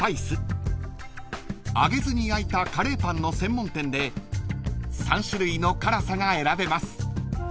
［揚げずに焼いたカレーパンの専門店で３種類の辛さが選べます］